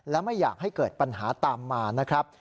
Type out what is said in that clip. และไม่อยากให้เกิดปัญหาตามมานะครับ